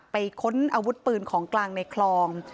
ค้นอาวุธปืนของกลางในคลอง